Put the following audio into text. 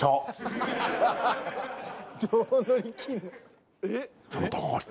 どう乗り切る？